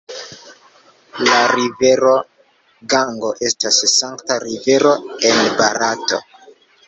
La rivero Gango estas sankta rivero en Barato.